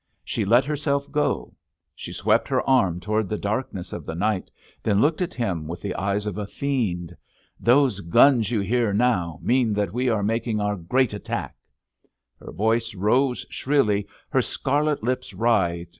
She let herself go. She swept her arm toward the darkness of the night, then looked at him with the eyes of a fiend. "Those guns you hear now mean that we are making our great attack." Her voice rose shrilly; her scarlet lips writhed.